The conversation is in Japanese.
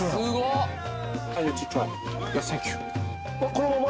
このまま？